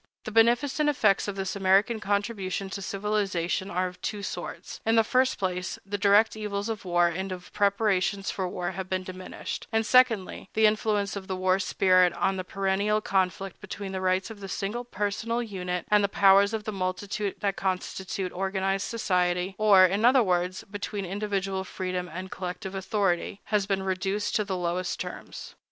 The beneficent effects of this American contribution to civilization are of two sorts: in the first place, the direct evils of war and of preparations for war have been diminished; and secondly, the influence of the war spirit on the perennial conflict between the rights of the single personal unit and the powers of the multitude that constitute organized society—or, in other words, between individual freedom and collective authority—has been reduced to the lowest terms.